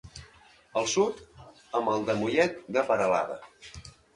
Al sud, amb el de Mollet de Peralada.